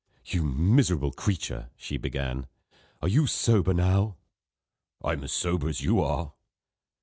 "You miserable creature," she began, "are you sober now?" "I'm as sober as you are."